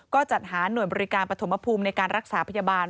ก็จัดหาหน่วยบริการปฐมภูมิในการรักษาพยาบาล